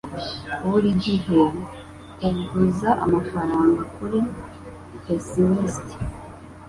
Buri gihe uguza amafaranga kuri pessimist.